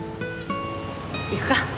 行くか。